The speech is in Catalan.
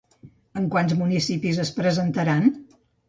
En quants municipis es presentaran?